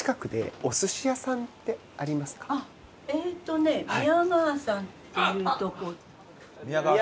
えーっとね美や川さんっていうとこ。